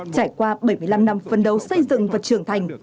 trải qua bảy mươi năm năm phân đấu xây dựng và trưởng thành